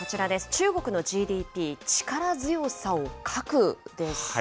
中国のＧＤＰ、力強さを欠くです。